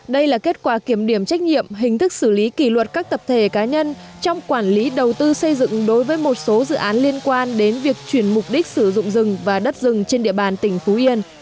đây là kết quả kiểm điểm trách nhiệm hình thức xử lý kỷ luật các tập thể cá nhân trong quản lý đầu tư xây dựng đối với một số dự án liên quan đến việc chuyển mục đích sử dụng rừng và đất rừng trên địa bàn tỉnh phú yên